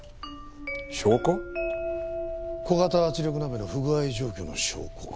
小型圧力鍋の不具合状況の証拠か。